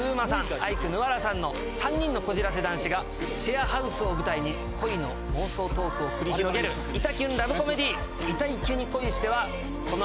アイクぬわらさんの３人のこじらせ男子がシェアハウスを舞台に恋の妄想トークを繰り広げるイタキュンラブコメディー。